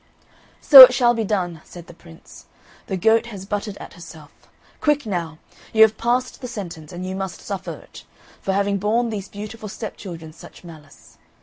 "So it shall be done!" said the Prince. "The goat has butted at herself. Quick now! you have passed the sentence, and you must suffer it, for having borne these beautiful stepchildren such malice."